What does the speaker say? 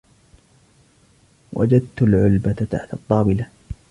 وجد العلبة تحت الطاولة.